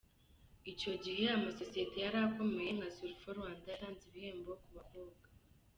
Icyo gihe amasosiyete yari akomeye nka Sulfo Rwanda yatanze ibihembo ku bakobwa.